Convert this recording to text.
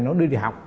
nó đi học